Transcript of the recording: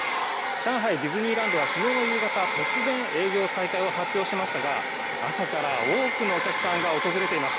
上海ディズニーランドは昨日の夕方、突然、営業再開を発表しましたが、朝から多くのお客さんが訪れています。